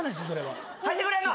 入ってくれんの？